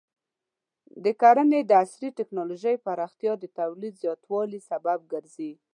د کرنې د عصري ټکنالوژۍ پراختیا د تولید زیاتوالي سبب ګرځي.